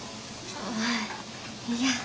ああいや。